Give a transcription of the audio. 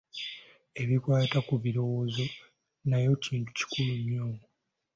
Ebikwata ku birowoozo nayo bintu bikulu nnyo.